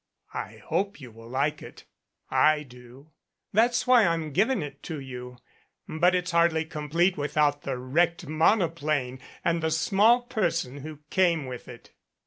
I hope you will like it. I do. That's why I'm giving it to you. But it's hardly complete without the wrecked monoplane and the small person who came with it.